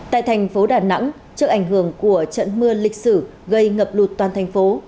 tại thành phố đà nẵng trước ảnh hưởng của trận mưa lịch sử gây ngập lụt toàn thành phố